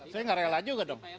saya nggak rela juga dong